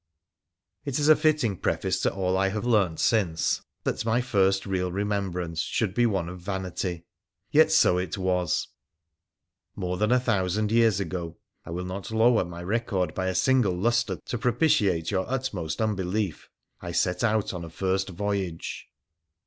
It is a fitting preface to all I have learnt since that my first real remembrance should be one of vanity. Yet so it was. More than a thousand years ago — I will not lower my record by a single lustre to propitiate your utmost unbelief — I set out on a first voyage.